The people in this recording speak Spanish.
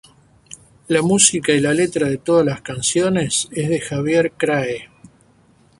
La música y la letra de todas las canciones es de Javier Krahe.